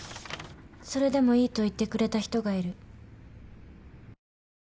それでもいいと言ってくれた人がいる。